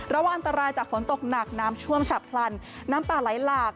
ระวังอันตรายจากฝนตกหนักน้ำท่วมฉับพลันน้ำป่าไหลหลาก